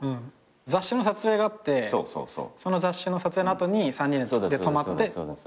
雑誌の撮影があってその雑誌の撮影の後に３人で泊まって。